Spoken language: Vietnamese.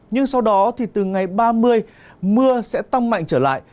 nhưng sau đó thì từ ngày ba mươi mưa sẽ tăng mạnh trở lại